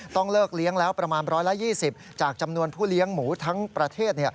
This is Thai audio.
ต้องเลิกเลี้ยงแล้วประมาณ๑๒๐จากจำนวนผู้เลี้ยงหมูทั้งประเทศ